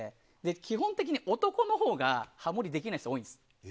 基本的に男のほうがハモリできない人多いです。